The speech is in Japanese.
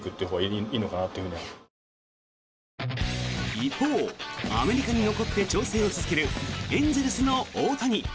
一方、アメリカに残って調整を続けるエンゼルスの大谷。